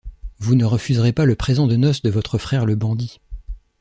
Vous ne refuserez pas le présent de noces de votre frère le bandit.